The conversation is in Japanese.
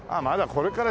これから。